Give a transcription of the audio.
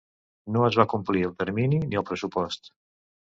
No es va complir el termini ni el pressupost.